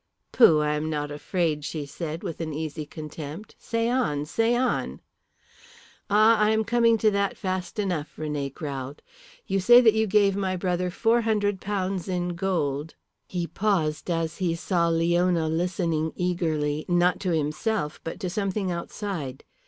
"Pooh, I am not afraid," she said, with easy contempt. "Say on, say on." "Ah, I am coming to that fast enough," René growled. "You say that you gave my brother four hundred pounds in gold " He paused as he saw Leona listening eagerly, not to himself, but to something outside.